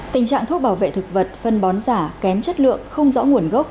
tình trạng thuốc bảo vệ thực vật phân bón giả kém chất lượng không rõ nguồn gốc